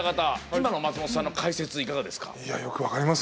今の松本さんの解説いかがですか？